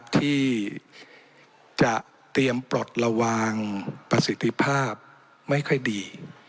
ที่จะเตรียมปลดระวังประสิทธิภาพไม่ค่อยดี